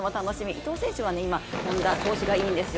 伊藤選手は今、調子がいいんですよ